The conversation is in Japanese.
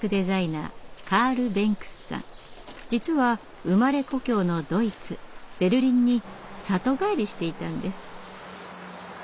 実は生まれ故郷のドイツ・ベルリンに里帰りしていたんです。